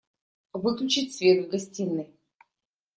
Выключить свет в гостиной!